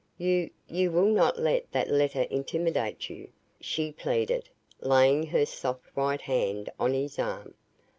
"You you will not let that letter intimidate you?" she pleaded, laying her soft white hand on his arm.